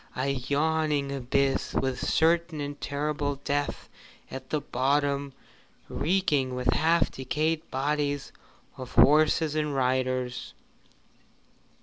A yawning abyss, with certain and terrible death at the bottom, reeking with half decayed bodies of horses and riders!